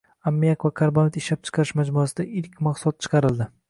“Ammiak va karbamid ishlab chiqarish” majmuasida ilk ilk mahsulot chiqarildi